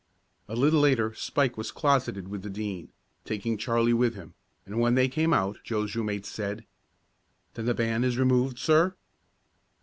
A little later Spike was closeted with the Dean, taking Charlie with him, and when they came out Joe's room mate said: "Then the ban is removed, sir?"